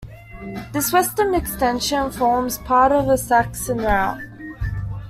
This western extension forms part of a Saxon route.